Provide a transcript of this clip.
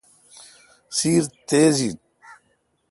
سیر تیز این۔